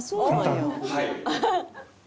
はい。